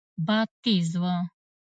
باد تېز و.